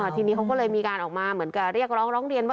ทีนี้เขาก็เลยมีการออกมาเหมือนกับเรียกร้องร้องเรียนว่า